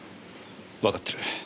わかってる。